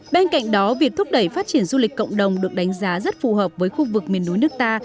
bên cạnh đó việc thúc đẩy phát triển du lịch cộng đồng được đánh giá rất phù hợp với khu vực miền núi nước ta